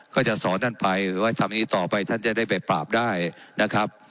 ก็จะสอนท่านไปว่าทำอย่างนี้ต่อไปท่านจะได้ไปปราบได้นะครับ